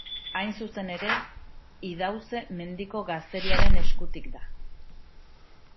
Hain zuzen ere, Idauze-Mendiko gazteriaren eskutik da.